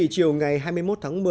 chiều ngày hai mươi một tháng một mươi